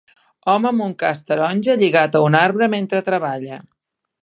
Home amb un casc taronja lligat a un arbre mentre treballa.